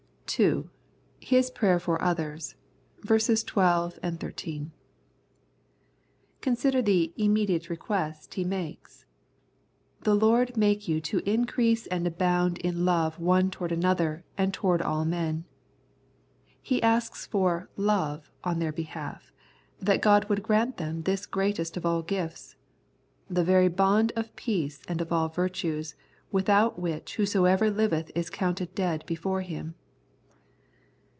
2. His Prayer for Others (vers. 12, 13). Consider the immediate request he makes —" The Lord make you to increase and abound in love one toward another, and toward all men." He asks for love on their behalf, that God would grant them this greatest of all gifts —" the very bond of peace and of all virtues, without which who soever liveth is counted dead before Him."